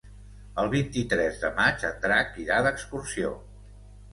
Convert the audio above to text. El vint-i-tres de maig en Drac irà d'excursió.